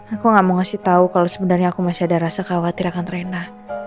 aku gak mau ngasih tau kalau sebenarnya aku masih ada rasa khawatir akan rena